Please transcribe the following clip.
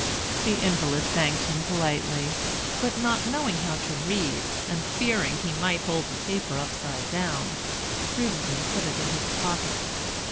The invalid thanked him politely; but not knowing how to read, and fearing he might hold the paper upside down, prudently put it in his pocket.